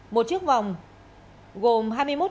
một chiếc vòng gồm hai chiếc kiềng